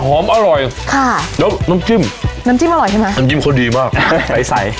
น้ำจิ้มน้ำจิ้มอร่อยใช่ไหมน้ำจิ้มเขาดีมากใส